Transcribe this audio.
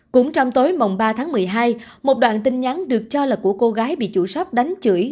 cũng trong tối mộng ba tháng một mươi hai một đoạn tin nhắn được cho là của cô gái bị chủ sớp đánh chửi